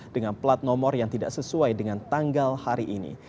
dengan plat nomor yang tidak sesuai dengan tanggal hari ini